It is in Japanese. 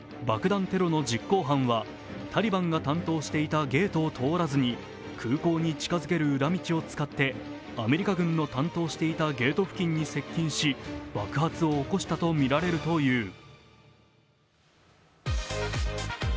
爆弾テロの実行犯はタリバンが担当していたゲートを通らずに空港に近づける裏道を使ってアメリカ軍の担当していたゲート付近に接近し爆発を起こしたとみられるという。